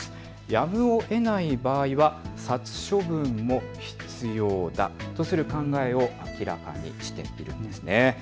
やむをえない場合は殺処分も必要だとする考えを明らかにしているんです。